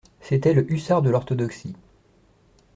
C'était le hussard de l'orthodoxie …